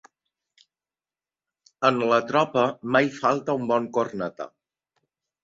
En la tropa mai falta un bon corneta.